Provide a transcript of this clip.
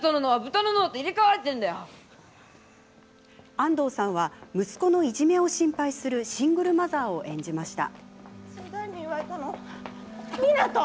安藤さんは息子のいじめを心配するシングルマザーを演じました。